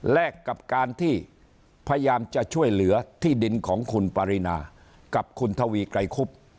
กับการที่พยายามจะช่วยเหลือที่ดินของคุณปรินากับคุณทวีไกรคุบ